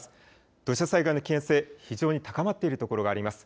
土砂災害の危険性、非常に高まっている所があります。